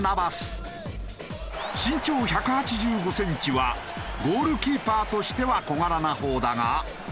身長１８５センチはゴールキーパーとしては小柄な方だが。